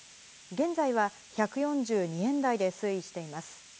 現在は１４２円台で推移しています。